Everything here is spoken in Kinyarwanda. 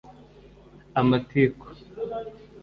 amatiku